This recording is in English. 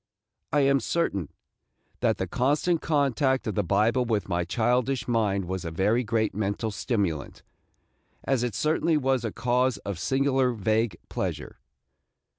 I am certain that the constant contact of the Bible with my childish mind was a very great mental stimulant, as it certainly was a cause of a singular vague pleasure.